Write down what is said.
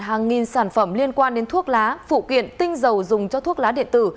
hàng nghìn sản phẩm liên quan đến thuốc lá phụ kiện tinh dầu dùng cho thuốc lá điện tử